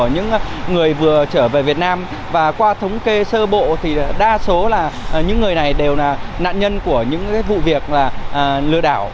những người vừa trở về việt nam và qua thống kê sơ bộ thì đa số là những người này đều là nạn nhân của những vụ việc lừa đảo